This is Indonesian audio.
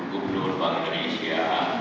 gubernur bank indonesia